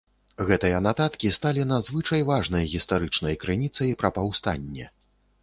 Гэтыя нататкі сталі надзвычай важнай гістарычнай крыніцай пра паўстанне.